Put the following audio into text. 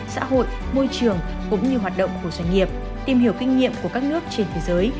xã hội môi trường cũng như hoạt động của doanh nghiệp tìm hiểu kinh nghiệm của các nước trên thế giới